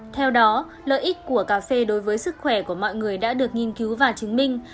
theo đó lợi ích của cà phê đối với sức khỏe của mọi người đã được nghiên cứu và chứng minh